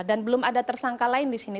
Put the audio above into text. belum ada tersangka lain di sini